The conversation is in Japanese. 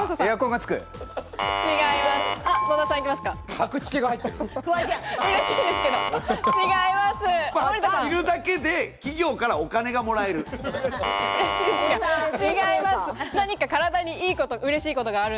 着るだけで企業からお金がもらえる。